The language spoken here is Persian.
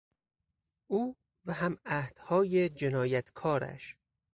او و همعهدهای جنایتکارش